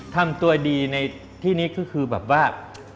ทำตัวดีในที่นี้ก็คือแบบว่า